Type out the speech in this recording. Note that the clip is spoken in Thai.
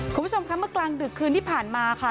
คุณผู้ชมคะเมื่อกลางดึกคืนที่ผ่านมาค่ะ